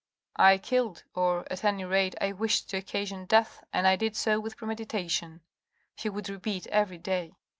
" I killed, or at anyrate, I wished to occasion death, and I did so with premeditation," he would repeat every day.